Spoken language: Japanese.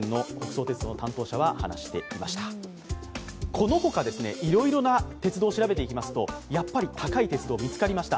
この他、いろいろな鉄道を調べていきますとやっぱり高い鉄道が見つかりました。